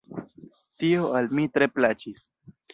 Tio al mi tre plaĉis.